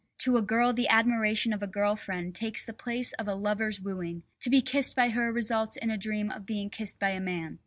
To a girl the admiration of a girl friend takes the place of a lover's wooing; to be kissed by her results in a dream of being kissed by a man.